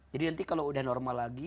jadi nanti kalau udah normal lagi